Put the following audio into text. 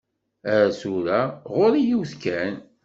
Ar tura, ɣur-i yiwet kan.